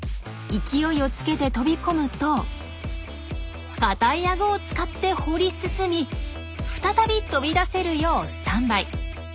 勢いをつけて飛び込むと硬いアゴを使って掘り進み再び飛び出せるようスタンバイ。